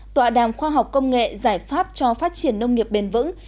tọa đàm khoa học công nghệ giải pháp cho phát triển nông nghiệp bền vững